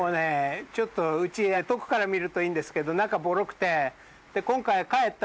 ちょっと家遠くから見るといいんですけど中ボロくて。